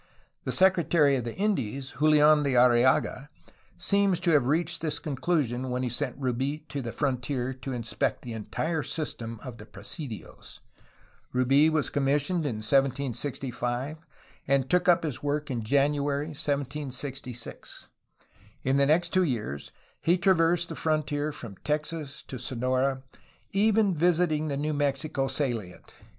The Secretary of the Indies, JuHan de Arriaga, seems to have reached this conclusion when he sent Rubi to the frontier to inspect the entire system of the presidios. Rubi was commissioned in 1765, and took up his work in January 1766. In the next two years he traversed the frontier from Texas to Sonora, even visiting the New Mexico saUent.